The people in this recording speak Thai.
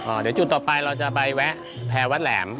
เดี๋ยวจุดต่อไปเราจะไปแวะแพรวัดแหลม